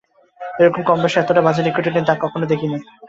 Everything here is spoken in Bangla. এরকম কম বয়সে এতোটা বাজে নিকোটিনের দাগ কখনো দেখিনি।